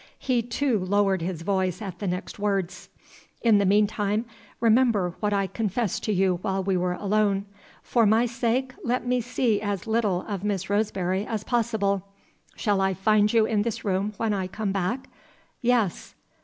(He, too, lowered his voice at the next words ) "In the meantime, remember what I confessed to you while we were alone. For my sake, let me see as little of Miss Roseberry as possible. Shall I find you in this room when I come back?" "Yes."